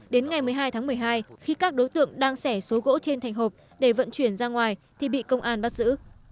đến ngày một mươi hai tháng một mươi hai khi các đối tượng đang sẻ số gỗ trên thành hộp để vận chuyển ra ngoài thì bị công an bắt giữ